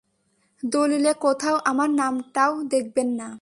দলীলে কোথাও আমার নামটাও দেখবেন না!